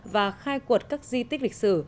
và khai cuộc các di tích lịch sử